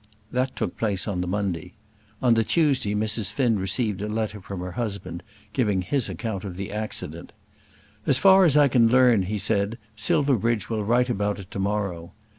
That took place on the Monday. On the Tuesday Mrs. Finn received a letter from her husband giving his account of the accident. "As far as I can learn," he said, "Silverbridge will write about it to morrow."